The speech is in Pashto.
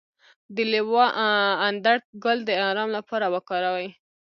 د لیوانډر ګل د ارام لپاره وکاروئ